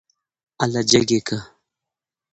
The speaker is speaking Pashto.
اله جګ يې که.